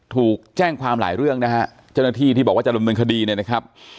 ถูกแจ้งความหลายเรื่องนะฮะเจ้าหน้าที่ที่บอกว่าจะดำเนินคดีเนี่ยนะครับ